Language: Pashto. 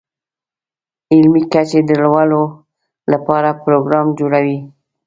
علمي کچې د لوړولو لپاره پروګرام جوړوي.